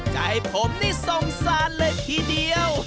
ใจผมนี่สงสารเลยทีเดียว